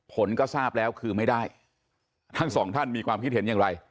ผลก็ทราบแล้วคือไม่ได้ทั้งสองท่านมีความคิดเห็นอย่างไร